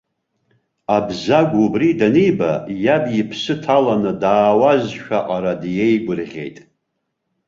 Абзагә убри даниба, иаб иԥсы ҭаланы даауазшәа аҟара диеигәырӷьеит.